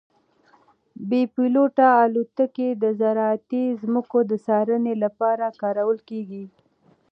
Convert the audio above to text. بې پیلوټه الوتکې د زراعتي ځمکو د څارنې لپاره کارول کیږي.